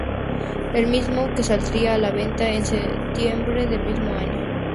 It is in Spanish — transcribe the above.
El mismo que saldría a la venta en setiembre del mismo año.